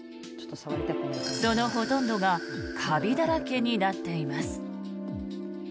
そのほとんどがカビだらけになっています。